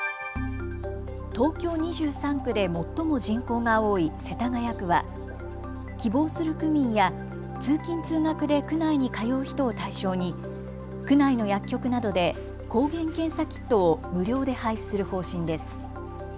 東京２３区で最も人口が多い世田谷区は希望する区民や通勤通学で区内に通う人を対象に区内の薬局などで抗原検査キットを無料で配布する方針です。